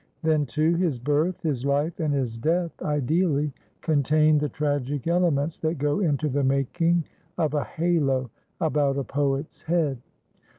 Then, too, his birth, his life and his death ideally contained the tragic elements that go into the making of a halo about a poet's head.